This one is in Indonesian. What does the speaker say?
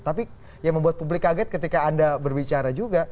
tapi yang membuat publik kaget ketika anda berbicara juga